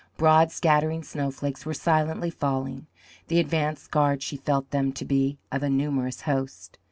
Broad scattering snowflakes were silently falling; the advance guard, she felt them to be, of a numerous host.